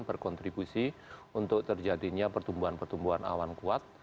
berkontribusi untuk terjadinya pertumbuhan pertumbuhan awan kuat